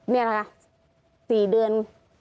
นี่นะคะ๔เดือน